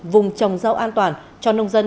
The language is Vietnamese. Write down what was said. vùng trồng rau an toàn cho nông dân